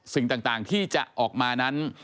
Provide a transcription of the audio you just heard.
สิ่งต่างที่จะออกมานั้น